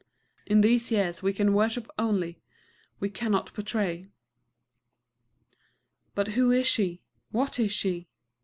In these years we can worship only; we cannot portray. But who is she? what is she?...